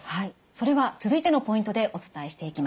それは続いてのポイントでお伝えしていきます。